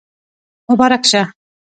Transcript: مبارک شه